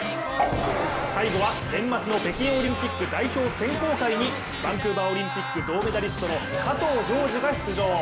最後は年末の北京オリンピック代表選考会にバンクーバーオリンピック銅メダリストの加藤条治が出場。